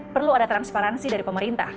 perlu ada transparansi dari pemerintah